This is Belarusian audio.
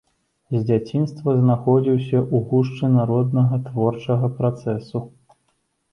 З дзяцінства знаходзіўся ў гушчы народнага творчага працэсу.